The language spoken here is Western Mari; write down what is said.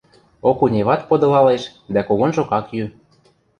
Окуневат подылалеш, дӓ когонжок ак йӱ.